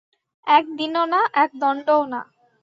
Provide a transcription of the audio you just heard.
একদিনও না, একদণ্ডও না।